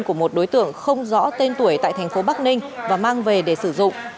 của một đối tượng không rõ tên tuổi tại thành phố bắc ninh và mang về để sử dụng